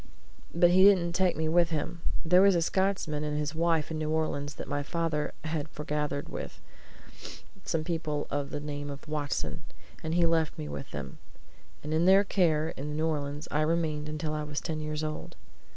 But he didn't take me with him. There was a Scotsman and his wife in New Orleans that my father had forgathered with some people of the name of Watson, and he left me with them, and in their care in New Orleans I remained till I was ten years old.